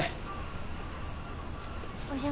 お邪魔。